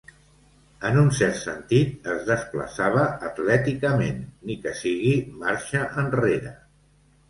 En un cert sentit, es desplaçava atlèticament, ni que sigui marxa enrere.